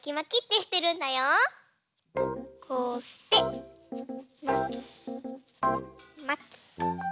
こうしてまきまき。